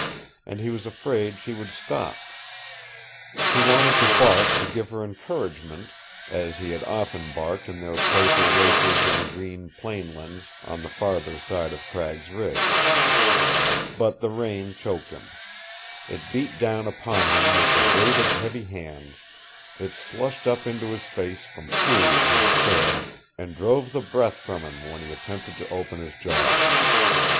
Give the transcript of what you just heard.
And he was afraid she would stop. He wanted to bark to give her encouragement, as he had often barked in their playful races in the green plain lands on the farther side of Cragg's Ridge. But the rain choked him. It beat down upon him with the weight of heavy hands, it slushed up into his face from pools in the trail and drove the breath from him when he attempted to open his jaws.